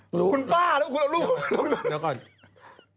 คุณป้าแล้วคุณรูป